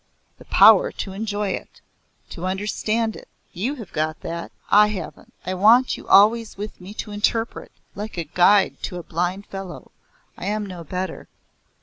"The power to enjoy it to understand it. You have got that I haven't. I want you always with me to interpret, like a guide to a blind fellow. I am no better."